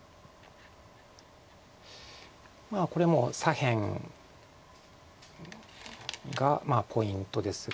これもう左辺がポイントですが。